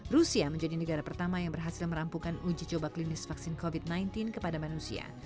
rusia menjadi negara pertama yang berhasil merampungkan uji coba klinis vaksin covid sembilan belas kepada manusia